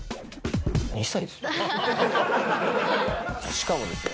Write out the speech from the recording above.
しかもですね